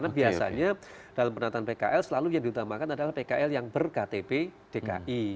karena biasanya dalam penataan pkl selalu yang diutamakan adalah pkl yang berktp dki